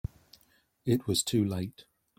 It was too late.